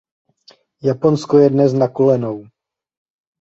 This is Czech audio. Japonsko je dnes na kolenou.